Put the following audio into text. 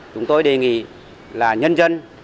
chúng tôi đề nghị là nhân dân